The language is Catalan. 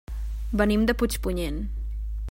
Venim de Puigpunyent.